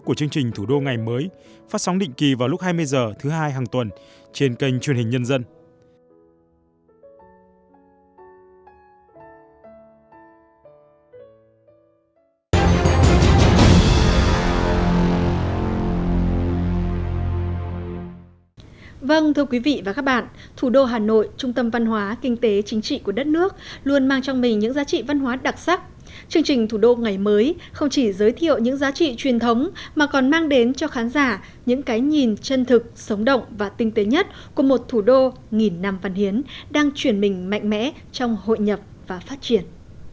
chương trình thủ đô ngày mới không chỉ giới thiệu những giá trị truyền thống mà còn mang đến cho khán giả những cái nhìn chân thực sống động và tinh tế nhất của một thủ đô nghìn năm văn hiến đang chuyển mình mạnh mẽ trong hội nhập và phát triển